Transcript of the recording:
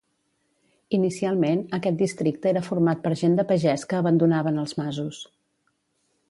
Inicialment, aquest districte era format per gent de pagès que abandonaven els masos.